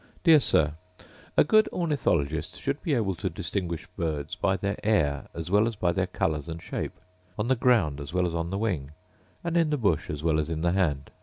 Dear Sir, A good ornithologist should be able to distinguish birds by their air as well as by their colours and shape; on the ground as well as on the wing, and in the bush as well as in the hand.